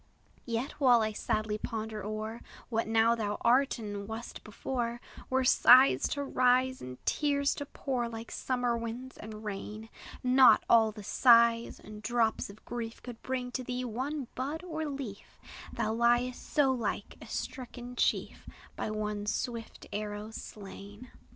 Yet, while I sadly ponder o'er What now thou art, and wast before, Were sighs to rise, and tears to pour, Like summer winds and rain; Not all the sighs and drops of grief Could bring to thee one bud or leaf; Thou liest so like a stricken chief, By one swift arrow slain.